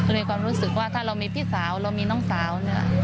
ด้วยความรู้สึกว่าถ้าเรามีพี่สาวเรามีน้องสาว